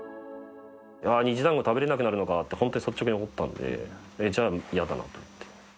虹だんご食べられなくなるって本当に率直に思ったんで、じゃあ、嫌だなと思って。